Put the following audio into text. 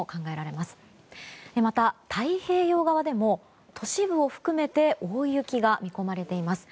また太平洋側でも都市部を含めて大雪が見込まれています。